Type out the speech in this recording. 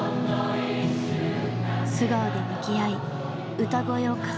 素顔で向き合い歌声を重ねる。